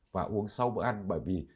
và uống sau bữa ăn bởi vì